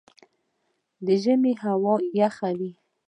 د ژمي هوا یخه وي